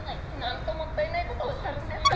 なんともったいないことおっしゃるんですか！